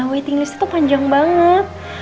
waiting list itu panjang banget